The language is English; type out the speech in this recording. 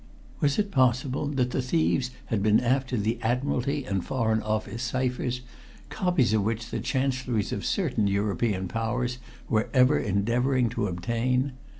Was it possible that the thieves had been after the Admiralty and Foreign Office ciphers, copies of which the Chancelleries of certain European Powers were ever endeavoring to obtain?